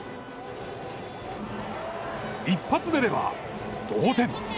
一発出れば、同点。